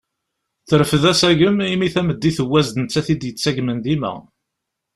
Terfed asagem imi tameddit n wass d nettat i d-yettagmen dima.